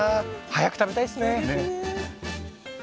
早く食べたいですね。ね。